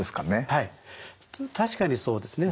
はい確かにそうですね。